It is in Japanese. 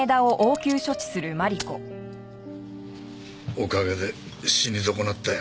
おかげで死に損なったよ。